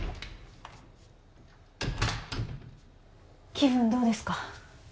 気分どうですか？